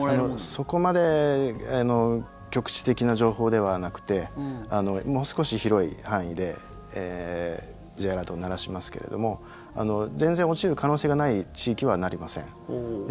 そこまで局地的な情報ではなくてもう少し広い範囲でＪアラートを鳴らしますけれども全然落ちる可能性がない地域は鳴りません。